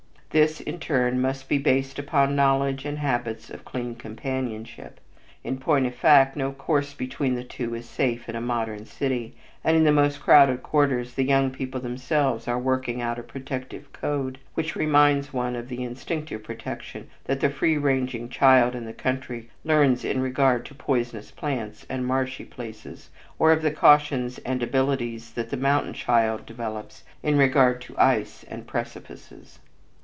This, in turn, must be based upon knowledge and habits of clean companionship. In point of fact no course between the two is safe in a modern city, and in the most crowded quarters the young people themselves are working out a protective code which reminds one of the instinctive protection that the free ranging child in the country learns in regard to poisonous plants and "marshy places," or of the cautions and abilities that the mountain child develops in regard to ice and precipices.